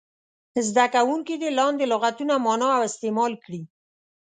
زده کوونکي دې لاندې لغتونه معنا او استعمال کړي.